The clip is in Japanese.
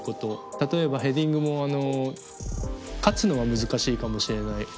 例えばヘディングも勝つのは難しいかもしれないおっきい選手に。